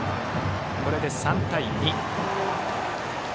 これで３対２。